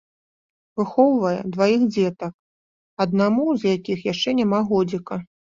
Выхоўвае дваіх дзетак, аднаму з якіх яшчэ няма годзіка.